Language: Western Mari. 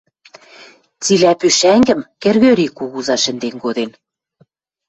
Цилӓ пушӓнгӹм Кӹргӧри кугуза шӹнден коден.